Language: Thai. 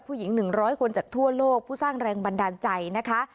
หญิง๑๐๐คนจากทั่วโลกผู้สร้างแรงบันดาลใจนะคะ